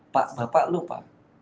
pak bapak lu pak